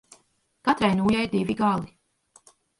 Katrai nūjai divi gali.